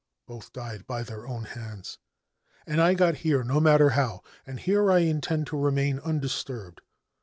Both died by their owr hands ; and I got here, no matter how, and here I intenc to remain undisturbed.